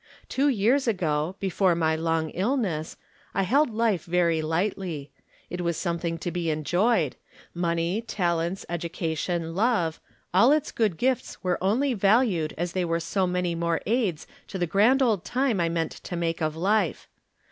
Two years ago, before my long illness, I held life very lightly ; it was something to be enjoyed — money, talents, education, love — all its good gifts were only valued as they were so many more aids to the grand good time I meant to make of life.